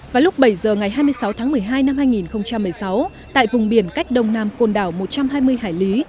vào lúc bảy giờ ngày hai mươi sáu tháng một mươi hai năm hai nghìn một mươi sáu tại vùng biển cách đông nam côn đảo một trăm hai mươi hải lý